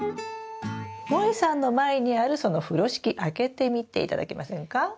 もえさんの前にあるその風呂敷開けてみて頂けませんか？